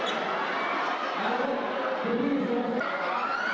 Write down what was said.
สวัสดีครับ